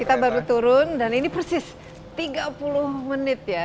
kita baru turun dan ini persis tiga puluh menit ya